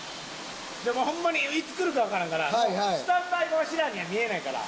でもホンマにいつ来るかわからんからスタンバイはわしらには見えないから。